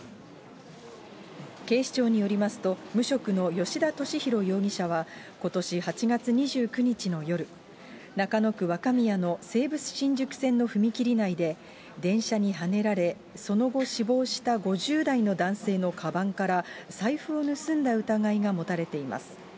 警視庁によりますと、無職の吉田俊博容疑者は、ことし８月２９日の夜、中野区若宮の西武新宿線の踏切内で電車にはねられ、その後死亡した５０代の男性のかばんから、財布を盗んだ疑いが持たれています。